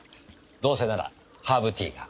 どうせならハーブティーが。